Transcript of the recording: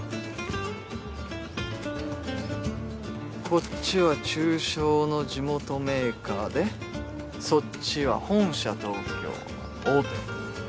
こっちは中小の地元メーカーでそっちは本社東京の大手。